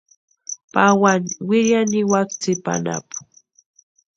Pawani wiriani niwaka tsipa anapu.